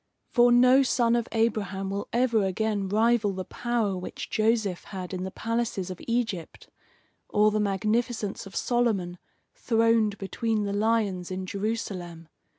For no son of Abraham will ever again rival the power which Joseph had in the palaces of Egypt, or the magnificence of Solomon throned between the lions in Jerusalem.